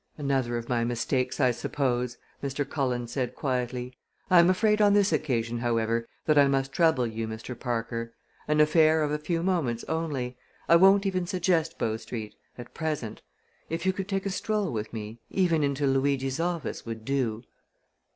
"Another of my mistakes, I suppose," Mr. Cullen said quietly. "I am afraid on this occasion, however, that I must trouble you, Mr. Parker. An affair of a few moments only. I won't even suggest Bow Street at present. If you could take a stroll with me even into Luigi's office would do."